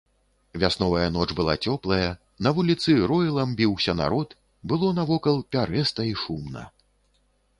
Вясновая ноч была цёплая, на вуліцы роілам біўся народ, было навокал пярэста і шумна.